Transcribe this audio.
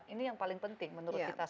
ini yang paling penting menurut kita